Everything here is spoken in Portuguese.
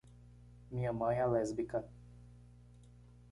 Minha mãe é lésbica.